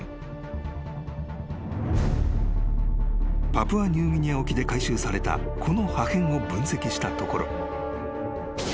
［パプアニューギニア沖で回収されたこの破片を分析したところ］